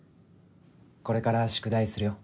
これから宿題するよ。